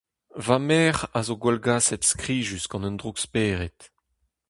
Va merc’h a zo gwallgaset skrijus gant un droukspered.